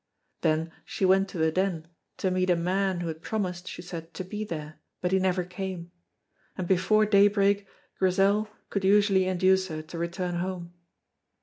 Then she went to the Den to meet a man who had promised, she said, to be there, but he never came, and before daybreak Grizel could usually induce her to return home.